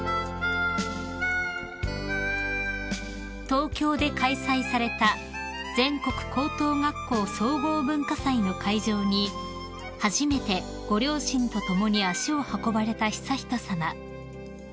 ［東京で開催された全国高等学校総合文化祭の会場に初めてご両親と共に足を運ばれた悠仁さま］